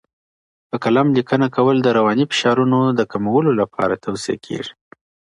په قلم لیکنه کول د رواني فشارونو د کمولو لپاره توصیه کیږي.